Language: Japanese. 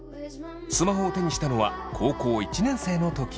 スマホを手にしたのは高校１年生の時。